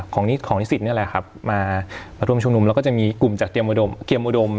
ของนิสิตนี่แหละครับมาร่วมชุมนุมแล้วก็จะมีกลุ่มจากเตรียมอุดม